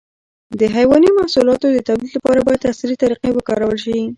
د حيواني محصولاتو د تولید لپاره باید عصري طریقې وکارول شي.